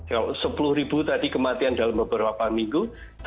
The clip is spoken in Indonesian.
kalau sepuluh ribu tadi kematian dalam beberapa minggu